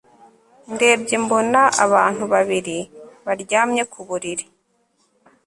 ndebye mbona abantu babiri baryamye kuburiri